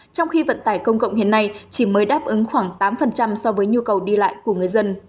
trong khi vận tải công cộng hiện nay chỉ mới đáp ứng khoảng tám so với nhu cầu đi lại của người dân